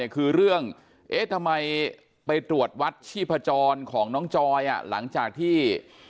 คือเรื่องเอ๊ะทำไมไปตรวจวัดชีพจรของน้องจอยหลังจากที่